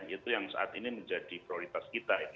itu yang saat ini menjadi prioritas kita